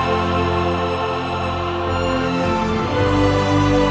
aku tidak tahu